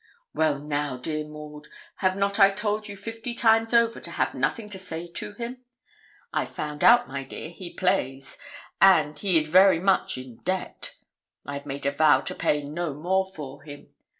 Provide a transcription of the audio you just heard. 'Well now, dear Maud, have not I told you fifty times over to have nothing to say to him? I've found out, my dear, he plays, and he is very much in debt. I've made a vow to pay no more for him.